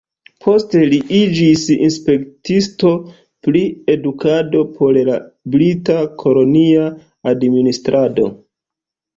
Poste li iĝis inspektisto pri edukado por la brita kolonia administrado.